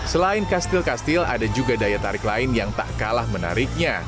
selain kastil kastil ada juga daya tarik lain yang tak kalah menariknya